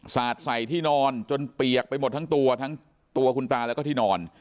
สาดใส่ที่นอนจนเปียกไปหมดทั้งตัวทั้งตัวคุณตาแล้วก็ที่นอน